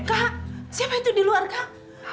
kak siapa itu di luar kamu